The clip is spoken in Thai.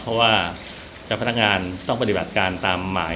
เพราะว่าเจ้าพนักงานต้องปฏิบัติการตามหมาย